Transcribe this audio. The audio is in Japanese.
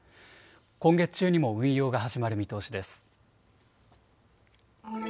今月中にも運用が始まる見通しです。